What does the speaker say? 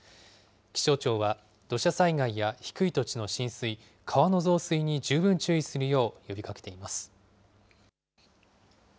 気象庁は、土砂災害や低い土地の浸水、川の増水に十分注意するよう呼びかけています。